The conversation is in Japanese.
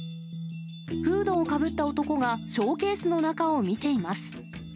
フードをかぶった男が、ショーケースの中を見ています。